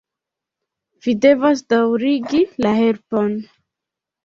Vi devas daŭrigi la helpon!